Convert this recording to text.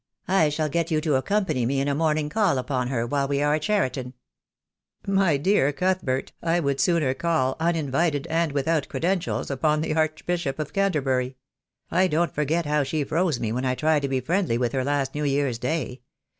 I shall get you to accompany me in a morning call upon her while we are at Cheriton." "My dear Cuthbert, I would sooner call, uninvited and without credentials, upon the Archbishop of Canterbury. I don't forget how she froze me when I tried to be friendly with her last New Year's Day.